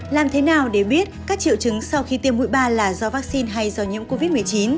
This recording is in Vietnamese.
làm thế nào để biết các triệu chứng sau khi tiêm mũi ba là do vaccine hay do nhiễm covid một mươi chín